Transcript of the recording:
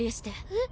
えっ？